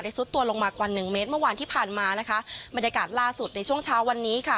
ซุดตัวลงมากว่าหนึ่งเมตรเมื่อวานที่ผ่านมานะคะบรรยากาศล่าสุดในช่วงเช้าวันนี้ค่ะ